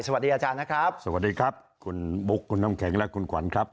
สวัสดีอาจารย์นะครับสวัสดีครับคุณบุ๊คคุณน้ำแข็งและคุณขวัญครับ